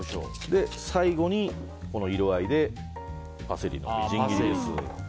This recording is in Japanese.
最後に色合いでパセリのみじん切りです。